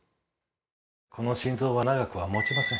この心臓は長くは持ちません。